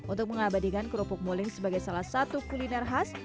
untuk mengabadikan kerupuk muling sebagai salah satu kuliner khas